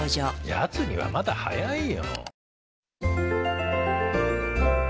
やつにはまだ早いよ。